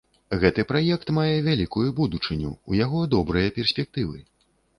Гэты праект мае вялікую будучыню, у яго добрыя перспектывы.